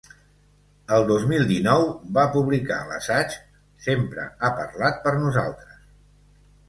El dos mil dinou va publicar l’assaig Sempre ha parlat per nosaltres.